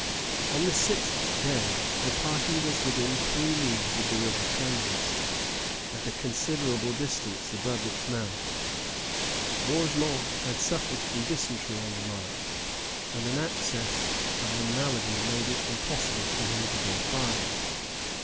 On the sixth day the party was within three leagues of the river Kansas, at a considerable distance above its mouth. Bourgmont had suffered from dysentery on the march, and an access of the malady made it impossible for him to go farther.